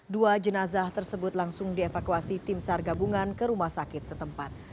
dua jenazah tersebut langsung dievakuasi tim sar gabungan ke rumah sakit setempat